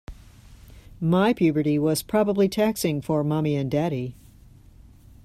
My puberty was probably taxing for mommy and daddy.